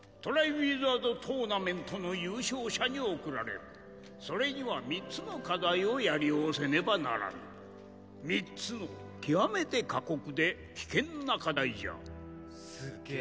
ウィザード・トーナメントの優勝者に贈られるそれには３つの課題をやりおおせねばならぬ３つのきわめて過酷で危険な課題じゃすっげえ